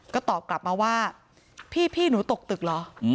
ก็ตอบกลับมาว่าพี่หนูตกตึกเหรอ